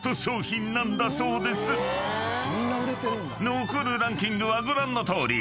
［残るランキングはご覧のとおり］